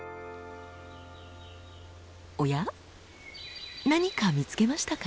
おや何か見つけましたか？